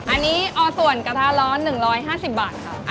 อันนี้ส่วนกระทะร้อน๑๕๐บาทค่ะ